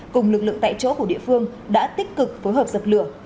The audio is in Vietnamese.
cùng lực lượng tại chỗ của địa phương đã tích cực phối hợp dập lửa